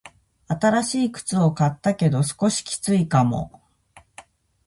新しい靴を買ったけど、少しきついかも。